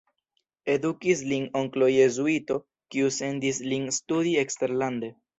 Edukis lin onklo jezuito, kiu sendis lin studi eksterlande.